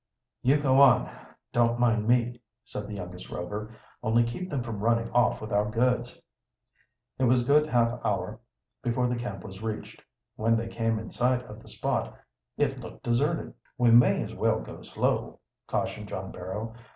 "You go on, don't mind me," said the youngest Rover. "Only keep them from running off with our goods." It was a good half hour before the camp was reached. When they came in sight of the spot it looked deserted. "We may as well go slow," cautioned John Barrow.